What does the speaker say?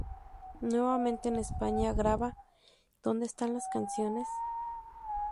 Nuevamente en España graba "¿Donde están las canciones?